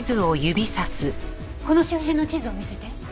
この周辺の地図を見せて。